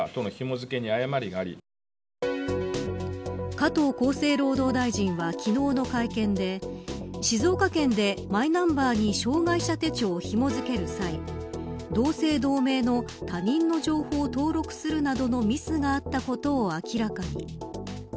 加藤厚生労働大臣は昨日の会見で静岡県で、マイナンバーに障害者手帳をひも付ける際同姓同名の他人の情報を登録するなどのミスがあったことを明らかに。